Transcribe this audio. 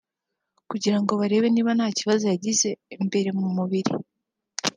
kugira ngo barebe niba nta kibazo yagize imbere mu mubiri